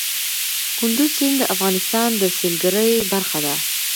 کندز سیند د افغانستان د سیلګرۍ برخه ده.